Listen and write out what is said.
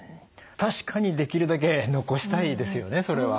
確かにできるだけ残したいですよねそれは。